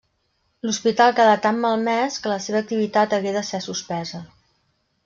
L'hospital quedà tan malmès que la seva activitat hagué de ser suspesa.